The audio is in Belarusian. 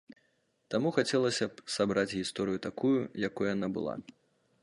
Таму хацелася б сабраць гісторыю такую, якой яна была.